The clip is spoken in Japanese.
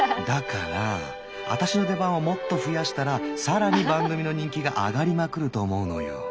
だからアタシの出番をもっと増やしたら更に番組の人気が上がりまくると思うのよ。